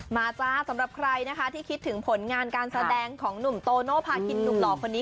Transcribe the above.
จ้าสำหรับใครนะคะที่คิดถึงผลงานการแสดงของหนุ่มโตโนภาคินหนุ่มหล่อคนนี้